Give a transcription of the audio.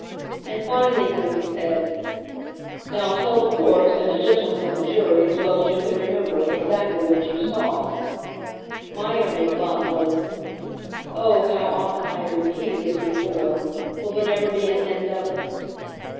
And finally when he said: "Now tell the court and the gentlemen of the jury as well as you can remember exactly what you saw," my only thought was, "Oh, how often I have repeated this before! Will there never be an end of it?"